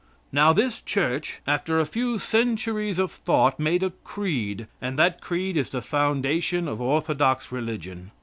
Now this Church, after a few centuries of thought, made a creed, and that creed is the foundation of orthodox religion.